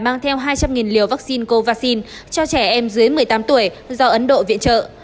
mang theo hai trăm linh liều vaccine covid cho trẻ em dưới một mươi tám tuổi do ấn độ viện trợ